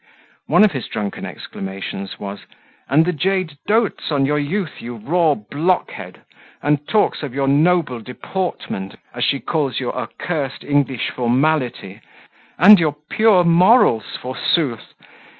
One of his drunken exclamations was, "And the jade doats on your youth, you raw blockhead! and talks of your noble deportment, as she calls your accursed English formality and your pure morals, forsooth!